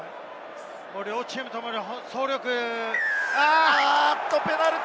両チームともに走力。